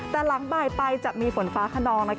แต่หลังบ่ายไปจะมีฝนฟ้าขนอง